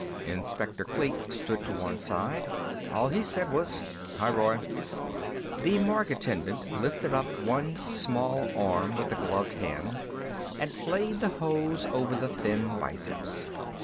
Inspector Kleek stood to one side. All he said was, "Hi, Roy." The morgue attendant lifted up one small arm with a gloved hand and played the hose over the thin biceps.